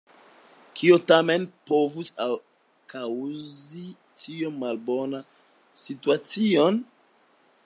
Kio tamen povus kaŭzi tiom malbonan situacion?